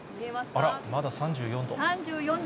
あら、まだ３４度。